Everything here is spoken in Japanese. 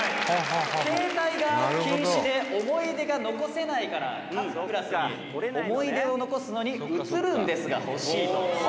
携帯が禁止で思い出が残せないから各クラスに思い出を残すのに写ルンですが欲しいと」